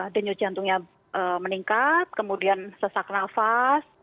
denyut jantungnya meningkat kemudian sesak nafas